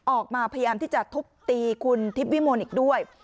ออกมาพยายามที่จะทุบตีคุณทิพย์วิมลอีกด้วย